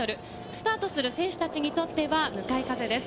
スタートする選手たちにとっては、向かい風です。